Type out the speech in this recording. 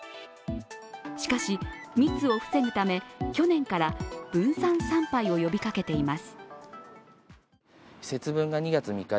しかし、密を防ぐため、去年から分散参拝を呼びかけています。